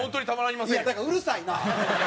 いやだからうるさいな！